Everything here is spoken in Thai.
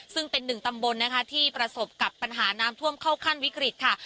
ซึ่งเป็นหนึ่งตำบลนะคะที่ประสบกับปัญหาน้ำท่วมเข้าขั้นวิกฤตค่ะ